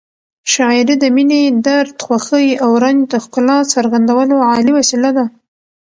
شاعري د مینې، درد، خوښۍ او رنج د ښکلا څرګندولو عالي وسیله ده.